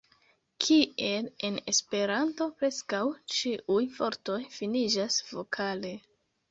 Kiel en Esperanto, preskaŭ ĉiuj vortoj finiĝas vokale.